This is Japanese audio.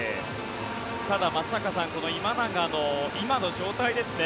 ただ、松坂さん今永の今の状態ですね。